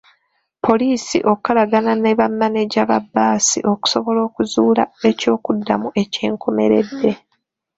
Poliisi okolagana ne bamaneja ba bbaasi okusobola okuzuula eky'okuddamu eky'enkomeredde.